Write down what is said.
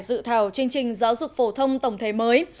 dự thảo chương trình giáo dục phổ thông tổng thể mới